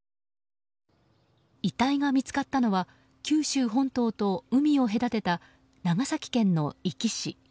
遺体が見つかったのは九州本島と海を隔てた長崎県の壱岐市。